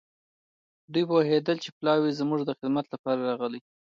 دوی پوهېدل چې پلاوی زموږ د خدمت لپاره راغلی.